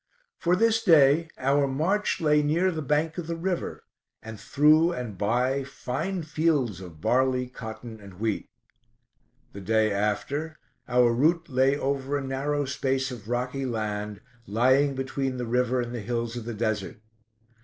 For this day our march lay near the bank of the river, and through and by fine fields of barley, cotton, and wheat. The day after, our route lay over a narrow space of rocky land, lying between the river and the hills of the desert.